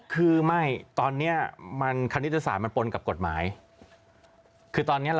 คือไม่ตอนเนี้ยมันคณิตศาสตร์มันปนกับกฎหมายคือตอนเนี้ย